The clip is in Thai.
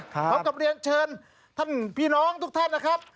พร้อมกับเรียนเชิญท่านพี่น้องทุกท่านนะครับ